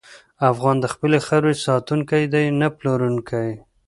افغان د خپلې خاورې ساتونکی دی، نه پلورونکی.